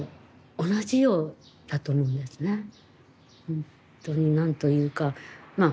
ほんとに何というかまあ